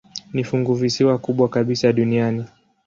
Ni funguvisiwa kubwa kabisa duniani.